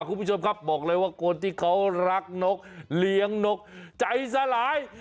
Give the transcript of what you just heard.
คุณผู้ชมครับบอกเลยว่าคนที่เขารักนกเลี้ยงนกใจสลาย